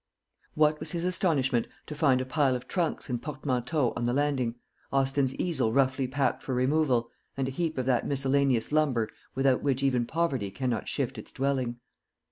What was his astonishment to find a pile of trunks and portmanteaus on the landing, Austin's easel roughly packed for removal, and a heap of that miscellaneous lumber without which even poverty cannot shift its dwelling!